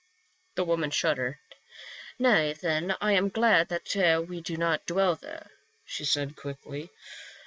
19 The woman shuddered. " Nay, then, I am glad that we do not dwell there," she said quickly.